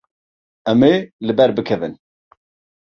Em ê li ber bikevin.